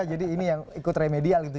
jadi ini yang ikut remedialnya